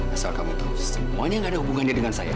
asal kamu terus semuanya gak ada hubungannya dengan saya